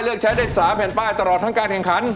เลือกใช้ได้๓แผ่นป้ายตลอดทั้งการแข่งขัน